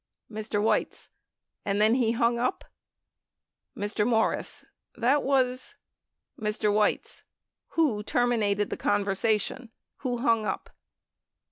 Mr. Weitz. And then he hung up ? Mr. Morris. That was Mr. Weitz. Who terminated the conversation ? Who hung up